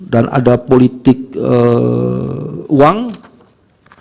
dan ada juga pengurangan suara calon